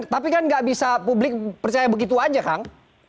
tapi kan nggak bisa publik percaya begitu aja kang